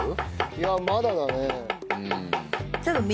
いやまだだね。